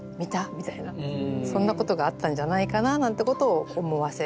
みたいなそんなことがあったんじゃないかななんてことを思わせる。